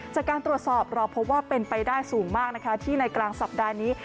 จากการตรวจสอบเราพบว่าเป็นไปได้สูงมากนะคะที่ในกลางสัปดาห์นี้